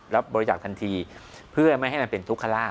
รับบริจาคทันทีเพื่อไม่ให้มันเป็นทุกขลาบ